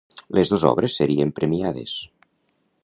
Les dos obres serien premiades.